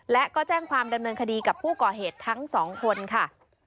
และก็แจ้งความดำเนินคดีกับผู้ก่อเหตุทั้งสองคนค่ะ